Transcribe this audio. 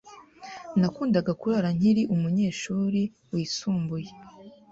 Nakundaga kurara nkiri umunyeshuri wisumbuye.